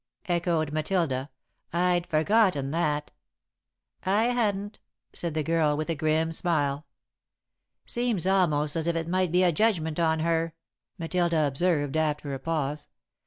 echoed Matilda. "I'd forgotten that." [Sidenote: The Way of Sacrifice] "I hadn't," said the girl, with a grim smile. "Seems almost as if it might be a judgment on her," Matilda observed, after a pause.